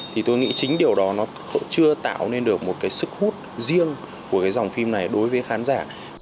thì tôi nghĩ chính điều đó nó chưa tạo nên được một cái sức hút riêng của cái dòng phim này đối với khán giả